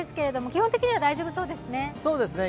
基本的には大丈夫そうですね。